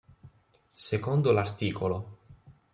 Secondo l’art.